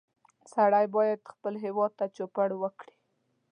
سړی باید خپل هېواد ته چوپړ وکړي